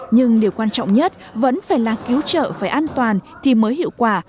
nhưng điều quan trọng nhất vẫn phải là cứu trợ phải an toàn thì mới hiệu quả